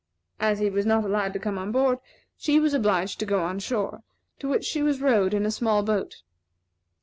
As he was not allowed to come on board, she was obliged to go on shore, to which she was rowed in a small boat.